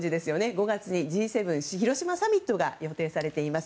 ５月にＧ７広島サミットが予定されています。